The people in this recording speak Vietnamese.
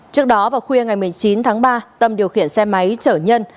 trước đó vào khuya ngày một mươi chín tháng ba tâm điều khiển xe máy chở nhân